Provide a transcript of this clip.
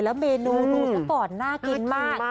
แล้วเมนูดูซะก่อนน่ากินมาก